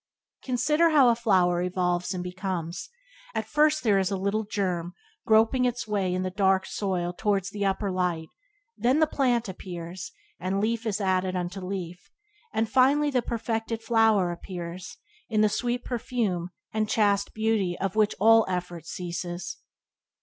Consider how a flower evolves and becomes; at first there is a little germ groping its way in the dark soil towards the upper light; then the plant appears, and leaf is added unto leaf; and finally the perfected flower appears, in the sweet perfume and chaste beauty of which all effort ceases.